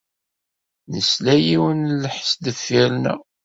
Nesla i yiwen n lḥess deffir-neɣ.